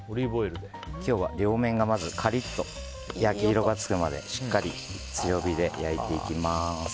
今日はまず両面がカリッと焼き色がつくまでしっかり強火で焼いていきます。